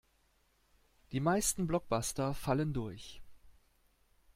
Die meisten Blockbuster fallen durch.